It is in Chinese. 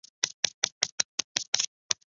西畴黄芩为唇形科黄芩属下的一个种。